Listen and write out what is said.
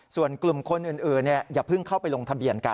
ส่วนกลุ่มคนอื่นอย่าเพิ่งเข้าไปลงทะเบียนกัน